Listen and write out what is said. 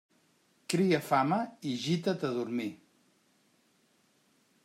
Cria fama i gita't a dormir.